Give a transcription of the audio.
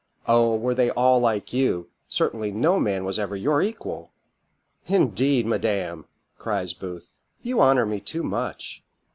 O, were they all like you certainly no man was ever your equal." "Indeed, madam," cries Booth, "you honour me too much.